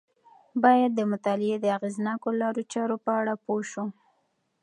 باید د مطالعې د اغیزناکو لارو چارو په اړه پوه شو.